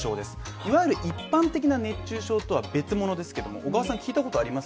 いわゆる一般的な熱中症とは別物ですけども聞いたことあります。